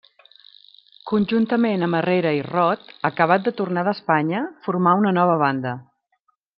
Conjuntament amb Herrera i Rot, acabat de tornar d'Espanya, formà una nova banda.